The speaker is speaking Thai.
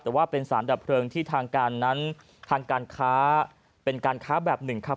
แต่ว่าเป็นสารดับเพลิงที่ทางการนั้นทางการค้าเป็นการค้าแบบหนึ่งครับ